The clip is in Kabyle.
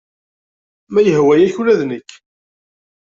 Ma yehwa-yak ula d nekk.